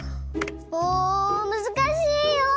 もうむずかしいよ！